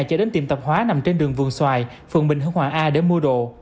chạy đến tiệm tập hóa nằm trên đường vườn xoài phường bình hưng hòa a để mua đồ